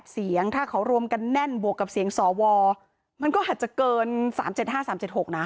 เสียงถ้าเขารวมกันแน่นบวกกับเสียงสวมันก็อาจจะเกิน๓๗๕๓๗๖นะ